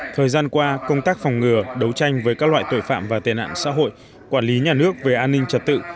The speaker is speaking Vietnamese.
thời gian qua công tác phòng ngừa đấu tranh với các loại tội phạm và tệ nạn xã hội quản lý nhà nước về an ninh trật tự